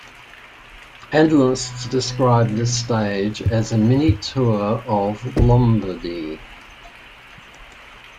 Analysts described this stage as a 'Mini Tour of Lombardy'.